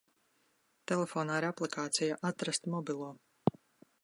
Telefonā ir aplikācija "Atrast mobilo".